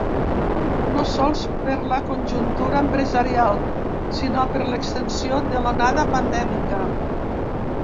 No sols per la conjuntura empresarial, sinó per l’extensió de l’onada pandèmica.